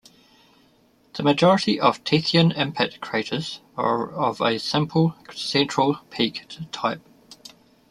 The majority of Tethyan impact craters are of a simple central peak type.